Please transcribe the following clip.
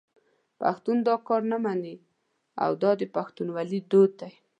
پښتون دا کار نه مني او دا د پښتونولي دود دی.